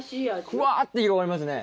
ふわって広がりますね